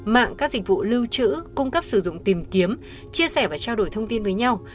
mạng các dịch vụ lưu trữ cung cấp sử dụng tìm kiếm chia sẻ và trao đổi thông tin với nhau